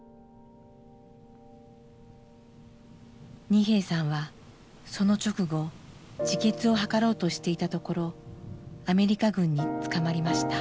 二瓶さんはその直後自決を図ろうとしていたところアメリカ軍に捕まりました。